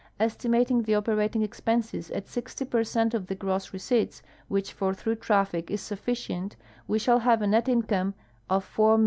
Estimating the operating expenses at 60 per cent of the gross receipts, Avhich for through traffic is sufficient, Ave shall have a net income of $4,294,000.